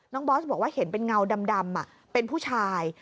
บอสบอกว่าเห็นเป็นเงาดำเป็นผู้ชาย